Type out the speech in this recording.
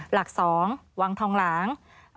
หลัก๒วังทองหลาง